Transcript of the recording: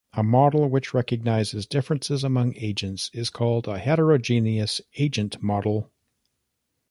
A model which recognizes differences among agents is called a heterogeneous agent model.